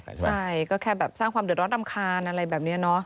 ใช่ก็แค่แบบสร้างความเดือดร้อนรำคาญอะไรแบบนี้เนอะ